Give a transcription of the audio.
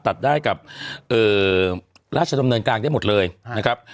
ตัดได้กับราชดำเนินกลางได้หมดเลยนะครับ